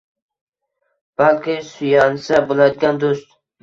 balki suyansa bo’ladigan do’st